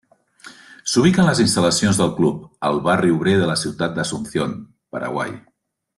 S'ubica en les instal·lacions del club, al Barri Obrer de la ciutat d'Asunción, Paraguai.